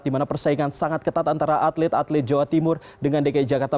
di mana persaingan sangat ketat antara atlet atlet jawa timur dengan dki jakarta